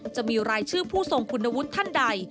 จะมีรายชื่อผู้ทรงคุณวุฒิท่านใด